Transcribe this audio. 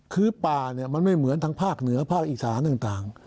คือป่าเนี่ยมันไม่เหมือนทางภาคเหนือภาคอีสานต่าง